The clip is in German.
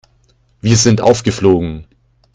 Wir sind aufgeflogen.